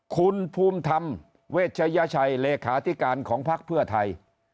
คุณภูมิธรรมเวชยชัยเลขาธิการของภักดิ์เพื่อไทย